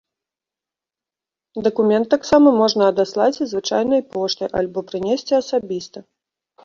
Дакумент таксама можна адаслаць і звычайнай поштай альбо прынесці асабіста.